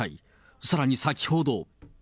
さらに先ほど。